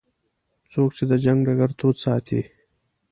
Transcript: څوک چې د جنګ ډګر تود ساتي.